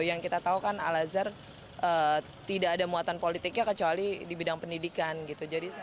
yang kita tahu kan al azhar tidak ada muatan politiknya kecuali di bidang pendidikan gitu